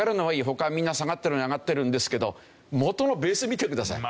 他はみんな下がってるのに上がってるんですけど元のベース見てください。